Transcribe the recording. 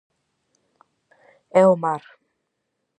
E o mar.